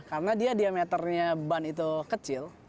karena dia diameternya ban itu kecil